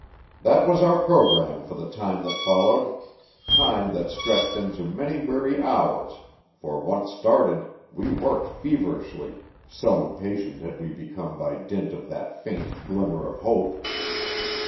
That was our program for the time that followed time that stretched into many weary hours, for, once started, we worked feverishly, so impatient had we become by dint of that faint glimmer of hope.